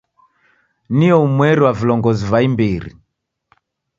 Nio umweri wa vilongozi va imbiri.